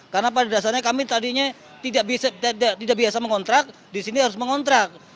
karena pada dasarnya kami tadinya tidak biasa mengontrak di sini harus mengontrak